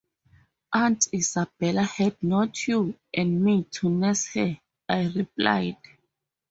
‘Aunt Isabella had not you and me to nurse her,’ I replied.